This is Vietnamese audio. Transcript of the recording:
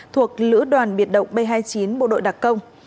thuộc lữ đoàn biệt động b hai mươi chín bộ đội đặc công